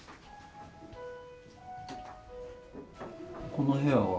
この部屋は？